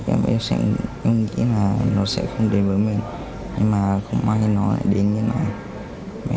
em nghĩ là nó sẽ không đến với mình nhưng mà không may nó lại đến như thế này